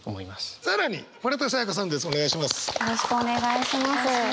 よろしくお願いします。